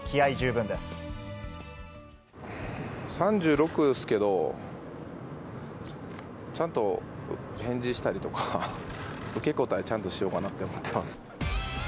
３６っすけど、ちゃんと返事したりとか、受け答えちゃんとしようかなと思ってます。